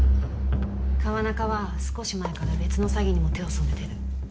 川中は少し前から別の詐欺にも手を染めてる